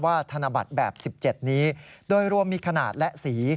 ธนบัตรแบบ๑๗นี้โดยรวมมีขนาดและสี